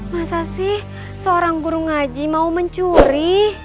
masa sih seorang guru ngaji mau mencuri